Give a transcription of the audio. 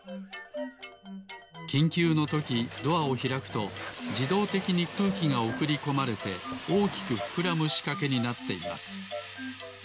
きんきゅうのときドアをひらくとじどうてきにくうきがおくりこまれておおきくふくらむしかけになっています。